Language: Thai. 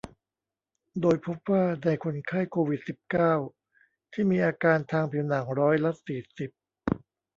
โดยพบว่าในคนไข้โควิด สิบเก้า ที่มีอาการทางผิวหนังร้อยละ สี่สิบ